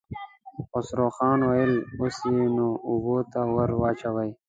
خسرو خان وويل: اوس يې نو اوبو ته ور واچوئ.